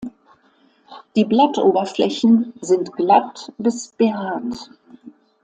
Die Blattoberflächen sind glatt bis behaart.